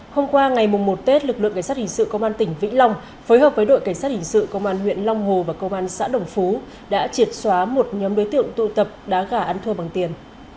hôm qua ngày một tết lực lượng cảnh sát hình sự công an tỉnh vĩnh long phối hợp với đội cảnh sát hình sự công an huyện long hồ và công an xã đồng phú đã triệt xóa một nhóm đối tượng tụ tập đá gà ăn thua bằng tiền